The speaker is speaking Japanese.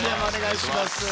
お願いします。